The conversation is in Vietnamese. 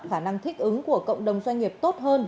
khả năng thích ứng của cộng đồng doanh nghiệp tốt hơn